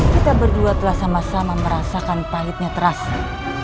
kita berdua telah sama sama merasakan pahitnya terasa